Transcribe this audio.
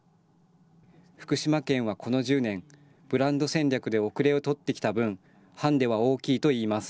福島県はこの１０年、ブランド戦略で後れを取ってきた分、ハンデは大きいといいます。